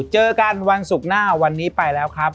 เจอกันวันศุกร์หน้าวันนี้ไปแล้วครับ